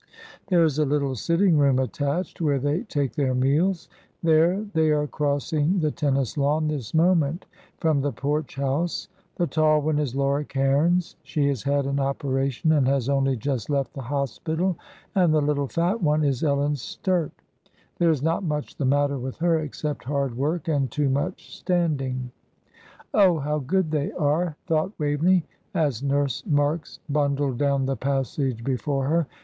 There is a little sitting room attached, where they take their meals. There, they are crossing the tennis lawn this moment from the Porch House. The tall one is Laura Cairns; she has had an operation and has only just left the hospital, and the little fat one is Ellen Sturt; there is not much the matter with her except hard work and too much standing." "Oh, how good they are!" thought Waveney, as Nurse Marks bundled down the passage before her.